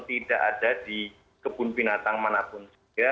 tidak ada di kebun binatang manapun